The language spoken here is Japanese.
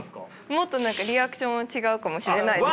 もっと何かリアクションは違うかもしれないですけど。